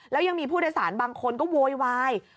แล้วยังมีผู้โดยสารบางคนก็โวยวาย